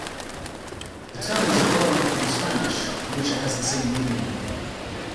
The term is a borrowing from Spanish, in which it has the same meaning.